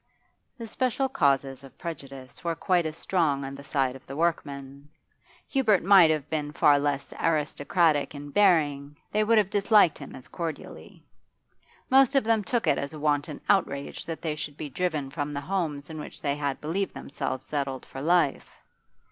The special causes of prejudice were quite as strong on the side of the workmen; Hubert might have been far less aristocratic in bearing, they would have disliked him as cordially. Most of them took it as a wanton outrage that they should be driven from the homes in which they had believed themselves settled for life.